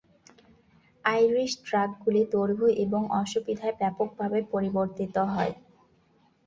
Irish ট্র্যাকগুলি দৈর্ঘ্য এবং অসুবিধায় ব্যাপকভাবে পরিবর্তিত হয়।